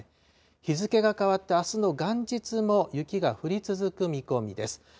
日付が変わって、あすの元日も雪が降り続く見込みです。